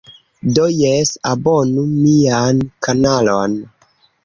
Do, jes, abonu mian kanalon.